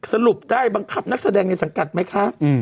สรุปได้บังคับนักแสดงในสังกัดไหมคะ